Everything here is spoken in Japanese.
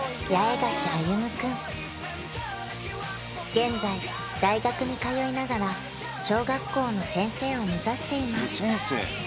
現在大学に通いながら小学校の先生を目指しています